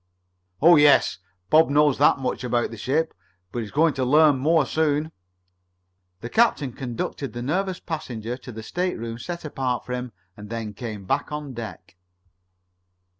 "Oh, yes, Bob knows that much about the ship. But he's going to learn more soon." The captain conducted the nervous passenger to the stateroom set apart for him and then came back on deck.